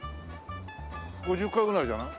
５０階ぐらいじゃない？